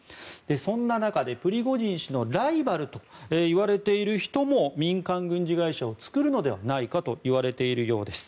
そんな中でプリゴジン氏のライバルといわれている人も民間軍事会社を作るのではないかといわれているようです。